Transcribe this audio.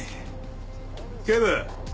・警部。